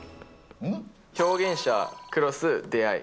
表現者クロス出会い。